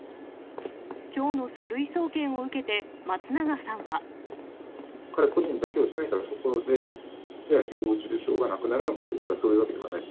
きょうの書類送検を受けて、松永さんは。彼個人だけを責めたところで、じゃあ、ひぼう中傷がなくなるのかといったら、そういうわけではない。